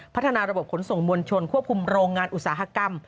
พัฒนาระบบขนส่งมวลชนควบคุมโรงงานอุตสาหกรรม